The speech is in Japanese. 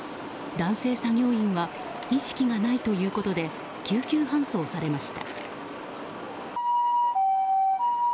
男性作業員は意識がないということで救急搬送されました。